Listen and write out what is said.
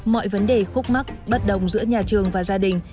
mọi vấn đề khúc mắc bất đồng giữa nhà trường và gia đình